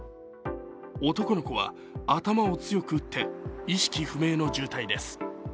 男の子は頭を強く打って意識不明の重体です。